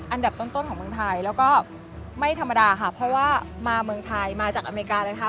อันดับต้นของเมืองไทยแล้วก็ไม่ธรรมดาค่ะเพราะว่ามาเมืองไทยมาจากอเมริกานะคะ